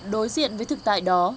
đối diện với thực tại đó